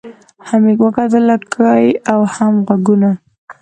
هم یې وکتل لکۍ او هم غوږونه